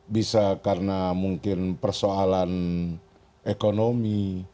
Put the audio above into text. bisa karena mungkin persoalan ekonomi